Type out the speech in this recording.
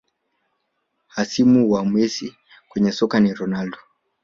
Hasimu wa Messi kwenye soka ni Ronaldo